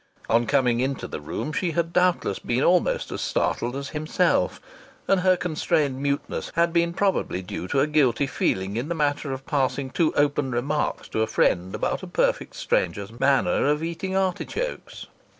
On coming into the room she had doubtless been almost as startled as himself, and her constrained muteness had been probably due to a guilty feeling in the matter of passing too open remarks to a friend about a perfect stranger's manner of eating artichokes.